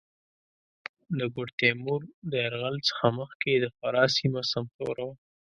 د ګوډ تېمور د یرغل څخه مخکې د فراه سېمه سمسوره وه.